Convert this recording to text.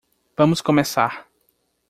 Vamos começar.